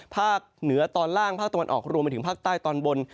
ภาคเหนือตอนล่างภาคตะวันออกรวมไปถึงภาคใต้ตอนบน